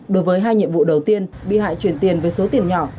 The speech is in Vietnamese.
đối với hai nhiệm vụ đầu tiên bị hại chuyển tiền với số tiền nhỏ